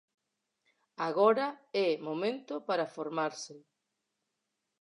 Agora é momento para formarse.